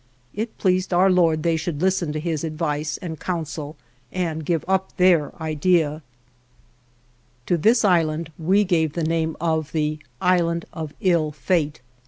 It pleased Our Lord they should listen to his advice and counsel and give up their idea. 64 ALVAR NUNEZ CABEZA DE VACA To this island we gave the name of the Island of III Fate.